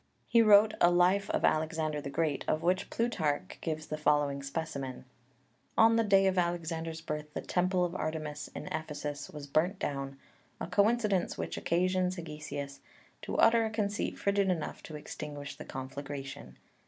He wrote a life of Alexander the Great, of which Plutarch (Alexander, c. 3) gives the following specimen: "On the day of Alexander's birth the temple of Artemis in Ephesus was burnt down, a coincidence which occasions Hegesias to utter a conceit frigid enough to extinguish the conflagration.